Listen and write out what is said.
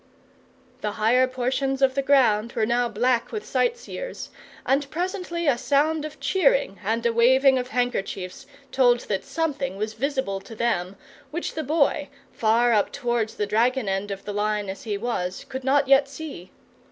The higher portions of the ground were now black with sightseers, and presently a sound of cheering and a waving of handkerchiefs told that something was visible to them which the Boy, far up towards the dragon end of the line as he was, could not yet see.